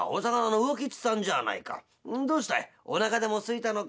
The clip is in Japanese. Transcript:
どうしたいおなかでもすいたのかい？